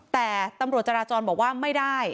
แต่ตำรวจจราจรบอกว่าไม่ได้